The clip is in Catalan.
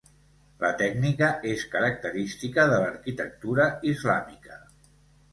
La tècnica és característica de l'arquitectura islàmica.